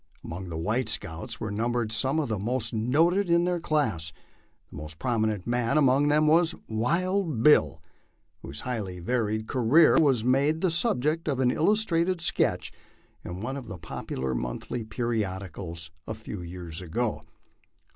Among the white scouts were numbered some of tho most noted of their class. The most prominent man among them was " Wild Bill," whose highly varied career was made the subject of an illustrated sketch in one of the popular monthly periodicals a few years ago.